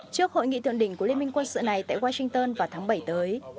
trước hội nghị thượng đỉnh của liên minh quân sự này tại washington vào tháng bảy tới